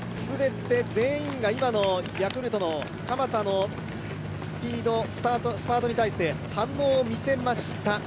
全員が今のヤクルトの鎌田のスピード、スパートに対して反応を見せました。